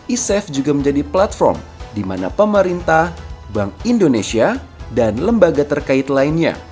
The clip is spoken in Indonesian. i saf juga menjadi platform di mana pemerintah bank indonesia dan lembaga terkait lainnya